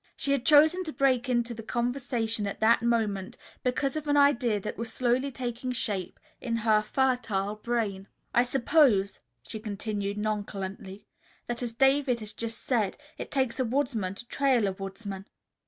She had chosen to break into the conversation at that moment because of an idea that was slowly taking shape in her fertile brain. "I suppose," she continued nonchalantly, "that as David has just said, it takes a woodsman to trail a woodsman."